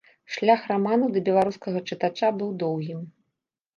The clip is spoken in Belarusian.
Шлях раману да беларускага чытача быў доўгім.